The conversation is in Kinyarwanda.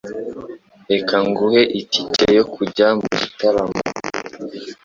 Reka nguhe itike yo kujya mu gitaramo.